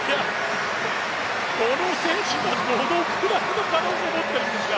この選手はどのくらいの可能性を持ってるんですか！